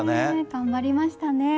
頑張りましたね。